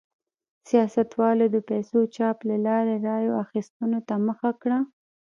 سیاستوالو د پیسو چاپ له لارې رایو اخیستو ته مخه کړه.